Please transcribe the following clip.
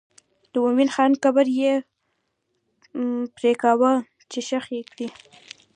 د مومن خان قبر یې پرېکاوه چې ښخ یې کړي.